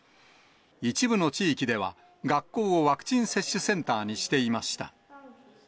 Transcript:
一部の地域では、学校をワクチン接種センターにしていました。